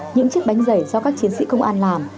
những chiếc bánh giày do các chiến sĩ công an làm